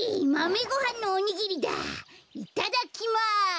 いただきます！